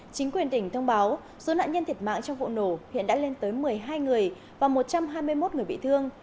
chính quyền tỉnh thông báo số nạn nhân thiệt mạng trong vụ nổ hiện đã lên tới một mươi hai người và một trăm hai mươi một người bị thương